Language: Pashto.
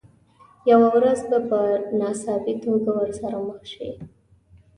یوه ورځ به په ناڅاپي توګه ورسره مخ شئ.